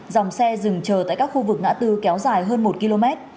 dòng xe dừng chờ tại các khu vực ngã tư kéo dài hơn một km